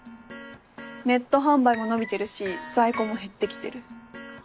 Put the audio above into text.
ネット販売も伸びてるし在庫も減ってきてる。